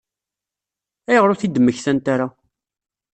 Ayɣer ur t-id-mmektant ara?